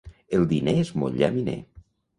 El diner és molt llaminer.